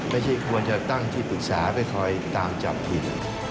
ไม่ใช่ควรจะตั้งที่ปรึกษาไปคอยตามจับพิธี